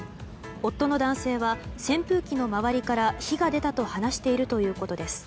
夫の男性は扇風機の周りから火が出たと話しているということです。